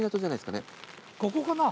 ここかな？